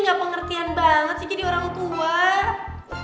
gak pengertian banget sih jadi orang tua